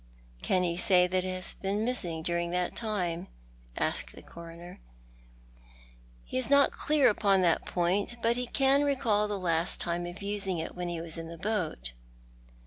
"Can he say that it has been missing during that time?" asked the Coroner. " He is not clear upon that point, but he can recall the last time of using it when he was in the boat."